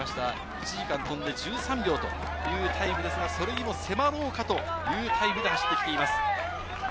１時間飛んで１３秒というタイムですが、それにも迫ろうかというタイムで走ってきています。